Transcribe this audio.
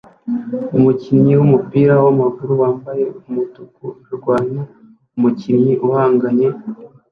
Umukinnyi wumupira wamaguru wambaye umutuku arwanya umukinnyi uhanganye